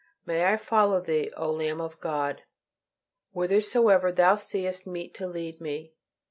May I follow Thee, O Lamb of God, whithersoever Thou seest meet to lead me.